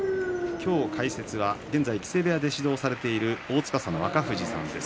今日、解説は現在木瀬部屋で指導をしている皇司の若藤さんです。